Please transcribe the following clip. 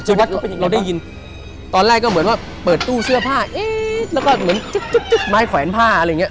กิจวัตรเข้าไปอีกแล้วเราได้ยินตอนแรกก็เหมือนว่าเปิดตู้เสื้อผ้าแล้วก็เหมือนไม้แขวนผ้าอะไรอย่างเงี้ย